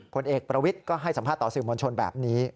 ผลเอกประวิทย์ก็ให้สัมภาษณ์ต่อสื่อมวลชนแบบนี้